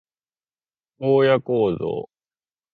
荒野行動